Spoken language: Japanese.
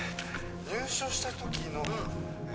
入所した時のええ